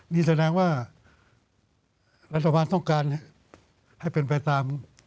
นี่แสดงว่ารัฐบาลต้องการให้เป็นไปตาม